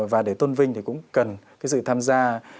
và để tôn vinh thì cũng cần cái sự tham gia